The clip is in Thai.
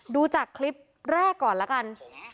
ดูจากคลิปแรกก่อนละกัน